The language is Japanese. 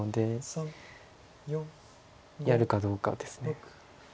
やるかどうかです。